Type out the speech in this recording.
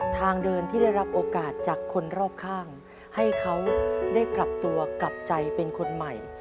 ทางเดินที่ได้รับโอกาสจากคนรอบข้างให้เขาได้กลับตัวกลับใจเป็นคนใหม่